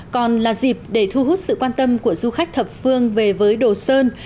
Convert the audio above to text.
còn là dịp để thu hút sự quan tâm của du khách thập phương về với đồ sơn